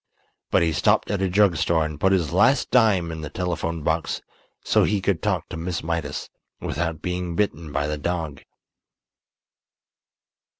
But he stopped at a drug store and put his last dime in the telephone box so he could talk to Miss Mydas without being bitten by the dog.